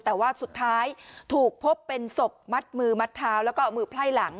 แต่ว่าสุดท้ายถูกพบเป็นศพมัดมือมัดเท้าแล้วก็เอามือไพร่หลัง